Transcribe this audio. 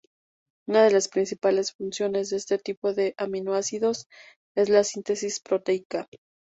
Una de las principales funciones de este tipo de aminoácidos es la síntesis proteica.